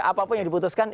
apapun yang diputuskan